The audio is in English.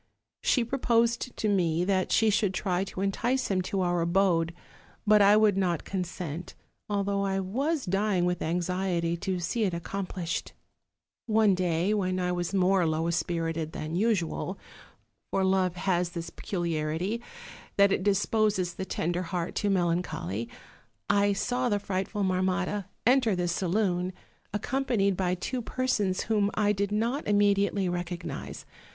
She proposed to me that she should try to entice him to our abode; but I would not consent, although I was dying with anxiety to see it accomplished. "One day when I was more low spirited than usual, for love has this peculiarity, that it disposes the tender heart 30$ OLD, OLD FAIRY TALES. to melancholy, I saw the frightful Marmotta enter the saloon, accompanied by two persons whom I did not im mediately recognize.